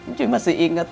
ncuy masih inget